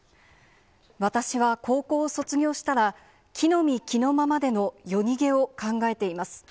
私は、高校を卒業したら、着のみ着のままでの夜逃げを考えています。